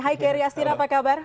hai kery astira apa kabar